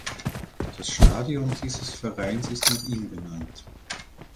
Das Stadion dieses Vereins ist nach ihm benannt.